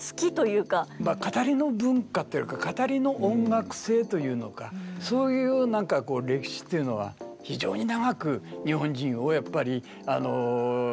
まあ語りの文化っていうよりか語りの音楽性というのかそういう何か歴史というのは非常に長く日本人をやっぱり引っ張ってきたんだと思いますね。